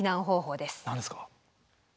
何ですか？